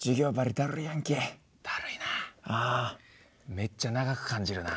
めっちゃ長く感じるな。